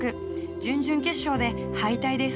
準々決勝で敗退です。